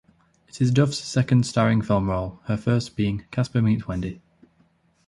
It is Duff's second starring film role, her first being "Casper Meets Wendy".